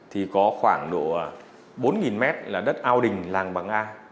thì có khoảng độ bốn mét là đất ao đình làng bằng a